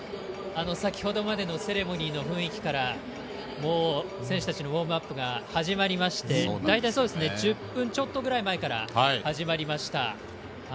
先程までのセレモニーの雰囲気からもう選手たちのウォームアップが始まりまして大体１０分ちょっとぐらい前から始まりました。